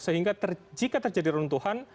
sehingga jika terjadi runtuhan